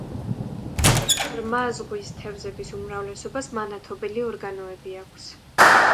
ღრმა ზღვის თევზების უმრავლესობას მანათობელი ორგანოები აქვს.